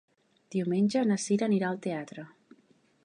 Diumenge na Cira anirà al teatre.